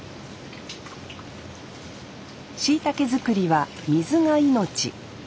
しいたけ作りは水が命。